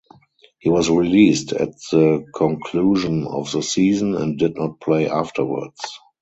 He was released at the conclusion of the season and did not play afterwards.